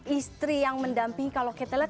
istri yang mendampingi kalau kita lihat